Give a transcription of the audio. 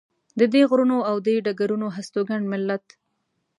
د دې غرونو او دې ډګرونو هستوګن ملت.